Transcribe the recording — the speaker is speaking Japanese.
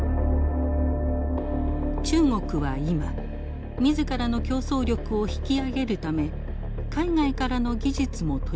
中国は今自らの競争力を引き上げるため海外からの技術も取り込もうとしています。